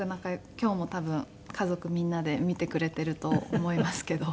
今日も多分家族みんなで見てくれていると思いますけど。